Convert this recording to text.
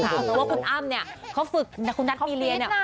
เพราะว่าคุณอ้ำเนี่ยเขาฝึกคุณนัทมีเรียน